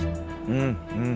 うんうん。